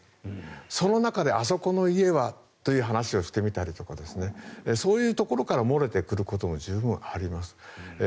その中であそこの家はという話をしてみたりそういうところから漏れてくることも十分あります。